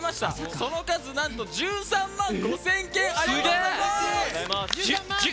その数、なんと１３万５０００件。